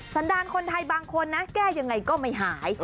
สันดาลคนไทยบางคนนะแก้ยังไงก็ไม่หาย